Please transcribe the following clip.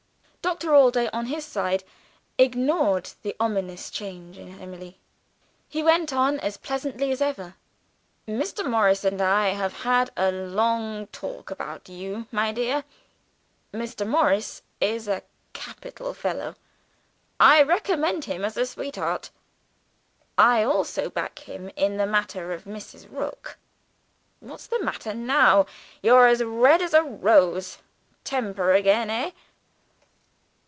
Doctor Allday, on his side, ignored the ominous change in Emily; he went on as pleasantly as ever. "Mr. Morris and I have had a long talk about you, my dear. Mr. Morris is a capital fellow; I recommend him as a sweetheart. I also back him in the matter of Mrs. Rook. What's the matter now? You're as red as a rose. Temper again, eh?"